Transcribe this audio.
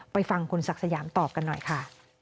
ฟังคุณศักดิ์สยามตอบกันหน่อยค่ะ